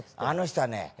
あの人はね